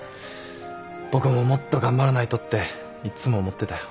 僕ももっと頑張らないとっていつも思ってたよ。